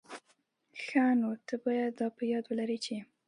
ښه، نو ته بايد دا په یاد ولري چي...